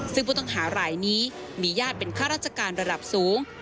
ซึ่งผู้ต้องหารายนี้มีญาติเป็นข้าราชการระดับสูง